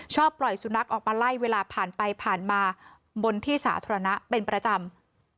ปล่อยสุนัขออกมาไล่เวลาผ่านไปผ่านมาบนที่สาธารณะเป็นประจำ